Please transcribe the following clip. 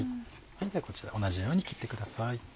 こちら同じように切ってください。